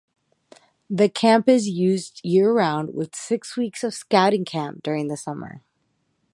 The camp is used year-round with six weeks of Scouting camp during the summer.